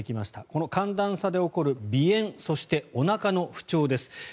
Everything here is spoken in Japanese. この寒暖差で起こる鼻炎そしておなかの不調です。